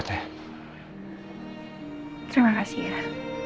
terima kasih ya